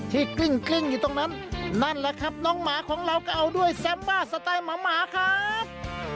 กลิ้งอยู่ตรงนั้นนั่นแหละครับน้องหมาของเราก็เอาด้วยแซมบ้าสไตล์หมาครับ